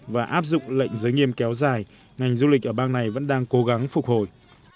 và áp dụng lệnh giới nghiêm kéo dài ngành du lịch ở bang này vẫn đang cố gắng phục hồi